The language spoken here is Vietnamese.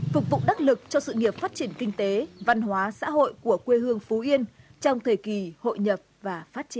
phục vụ đắc lực cho sự nghiệp phát triển kinh tế văn hóa xã hội của quê hương phú yên trong thời kỳ hội nhập và phát triển